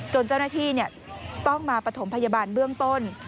จนเจ้าหน้าที่เนี่ยต้องมาประถมพยาบาลเบื้องต้น